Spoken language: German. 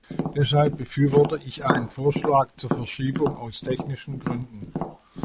Deshalb befürworte ich einen Vorschlag zur Verschiebung aus technischen Gründen.